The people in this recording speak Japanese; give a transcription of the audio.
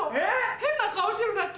変な顔してるだけ。